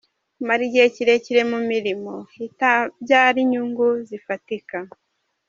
Kumara igihe kirekire mu mirimo itabyara inyungu zifatika.